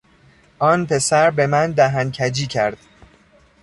آن پسر به من دهن کجی کرد.